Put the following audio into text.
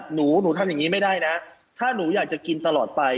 หนูหนูทำอย่างนี้ไม่ได้นะถ้าหนูอยากจะกินตลอดไป